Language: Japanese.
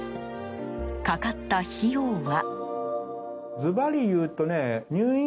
かかった費用は。